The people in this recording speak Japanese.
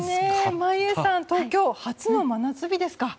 眞家さん東京は初の真夏日ですか。